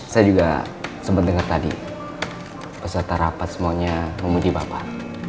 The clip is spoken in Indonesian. saya juga sempat dengar tadi peserta rapat semuanya memuji bapak